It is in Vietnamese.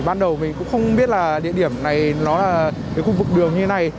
ban đầu mình cũng không biết là địa điểm này nó là cái khu vực đường như thế này